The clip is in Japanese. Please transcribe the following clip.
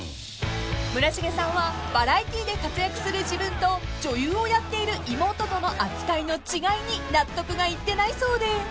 ［村重さんはバラエティーで活躍する自分と女優をやっている妹との扱いの違いに納得がいってないそうで］